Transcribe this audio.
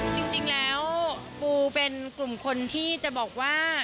จริงแล้วปูเป็นกลุ่มคนที่จะบอกว่า